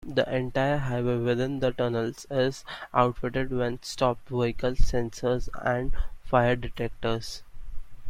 The entire highway within the tunnels is outfitted with stopped-vehicle sensors and fire detectors.